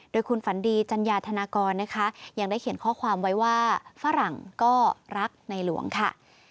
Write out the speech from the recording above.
โดยคุณฝันดีจัญญาธนากรนะคะยังได้เขียนข้อความไว้ว่าฝรั่งก็รักในหลวงค่ะ